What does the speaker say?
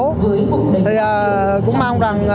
thì cũng mong rằng